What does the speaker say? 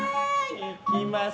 いきます！